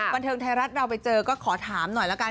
บันเทิงไทยรัฐเราไปเจอก็ขอถามหน่อยละกัน